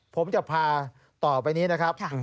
ผมจะพาต่อไปนี้นะครับ